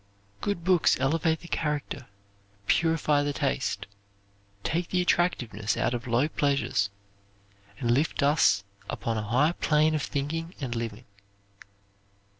Good books elevate the character, purify the taste, take the attractiveness out of low pleasures, and lift us upon a higher plane of thinking and living.